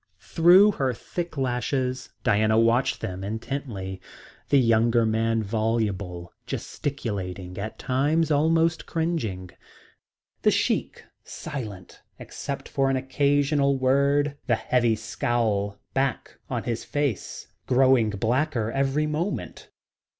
Through her thick lashes Diana watched them intently. The younger man voluble, gesticulating, at times almost cringing. The Sheik silent, except for an occasional word, the heavy scowl back on his face, growing blacker every moment.